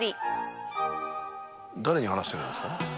誰に話してるんですか？